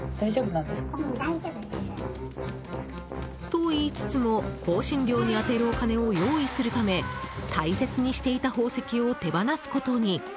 と言いつつも、更新料に充てるお金を用意するため大切にしていた宝石を手放すことに。